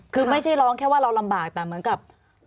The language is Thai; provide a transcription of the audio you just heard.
คือไม่ใช่ร้องแค่ว่าเราลำบากแต่เหมือนกับ